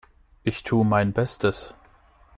Ich tu mein Bestes.